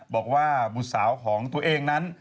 บอกว่าบุษสาวของตัวเองนั้น